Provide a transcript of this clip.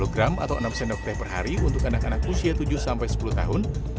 sepuluh gram atau enam sendok teh per hari untuk anak anak usia tujuh sampai sepuluh tahun